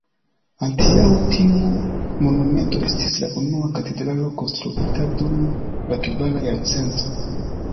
Antaŭ tiu monumento estis la unua katedralo konstruita dum la kvara jarcento.